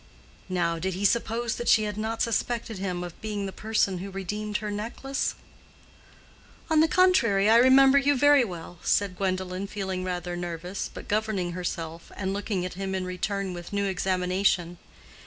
Now, did he suppose that she had not suspected him of being the person who redeemed her necklace? "On the contrary. I remember you very well," said Gwendolen, feeling rather nervous, but governing herself and looking at him in return with new examination.